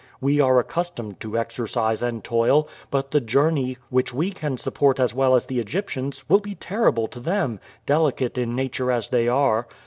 We are accustomed to exercise and toil, but the journey, which we can support as well as the Egyptians, will be terrible to them, delicate in nature as they are.